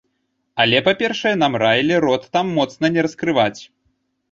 Але, па-першае, нам раілі рот там моцна не раскрываць.